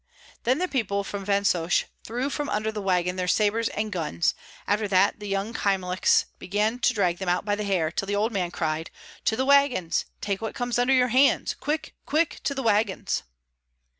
Then the people from Vansosh threw from under the wagon their sabres and guns; after that the young Kyemliches began to drag them out by the hair, till the old man cried, "To the wagons! take what comes under your hands! Quick! quick! to the wagons!"